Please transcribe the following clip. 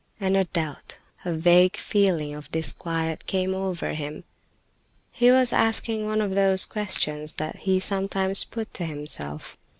And a doubt, a vague feeling of disquiet came over him; he was asking one of those questions that he sometimes put to himself.